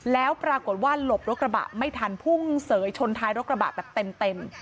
แล้วปรากฏว่าหลบรถกระบะไม่ทันพุ่งเสยชนท้ายรถกระบะแบบเต็ม